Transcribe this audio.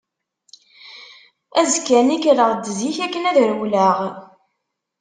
Azekka-nni kkreɣ-d zik akken ad rewleɣ.